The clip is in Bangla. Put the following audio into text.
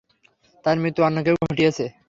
তার মৃত্যু অন্য কেউ ঘটিয়েছে।